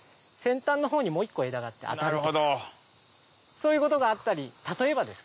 そういうことがあったり例えばですけどね。